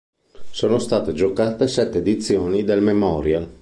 Sono state giocate sette edizioni del memorial.